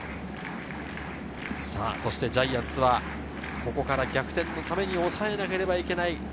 ジャイアンツはここから逆転のために抑えなければいけない。